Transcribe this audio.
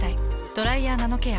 「ドライヤーナノケア」。